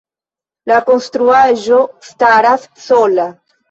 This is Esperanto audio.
La konstruaĵo staras sola.